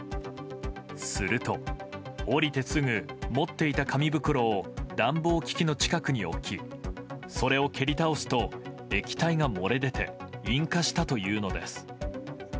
すると、降りてすぐ持っていた紙袋を暖房機器の近くに置きそれを蹴り倒すと液体が漏れ出て引火したというのです。